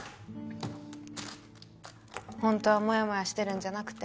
ホントはモヤモヤしてるんじゃなくて？